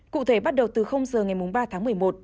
cụ thể bắt đầu từ giờ ngày ba tháng một mươi một